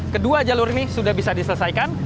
kedua jalur ini sudah bisa diselesaikan